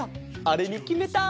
あれにきめた！